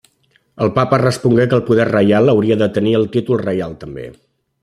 El papa respongué que el poder reial hauria de tenir el títol reial també.